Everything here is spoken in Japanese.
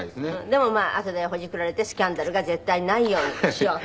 でもまああとでほじくられてスキャンダルが絶対にないようにしようと。